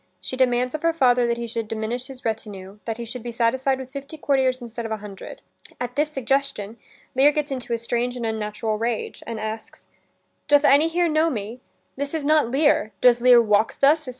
She demands of her father that he should diminish his retinue; that he should be satisfied with fifty courtiers instead of a hundred. At this suggestion, Lear gets into a strange and unnatural rage, and asks: "Doth any here know me? This is not Lear: Does Lear walk thus?